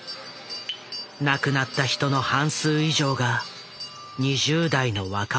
亡くなった人の半数以上が２０代の若者だった。